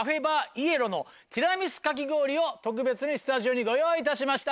ｙｅｌｏのティラミスかき氷を特別にスタジオにご用意いたしました。